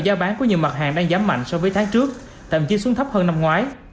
giá bán của nhiều mặt hàng đang giảm mạnh so với tháng trước thậm chí xuống thấp hơn năm ngoái